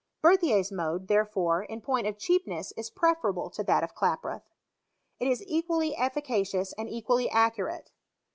Berthier's mode, therefore, in Joint of cheapnesses preferable to that of Klaproth. t is equally efficacious and equally accurate.